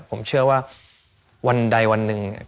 ผมเชื่อว่าวันใดวันหนึ่ง